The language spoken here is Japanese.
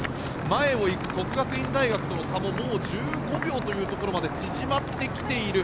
前を行く國學院大学との差ももう１５秒というところまで縮まってきている。